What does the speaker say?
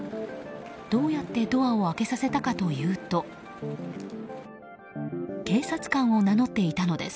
どうやってドアを開けさせたかというと警察官を名乗っていたのです。